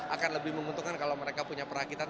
akan lebih menguntungkan kalau mereka punya perakitan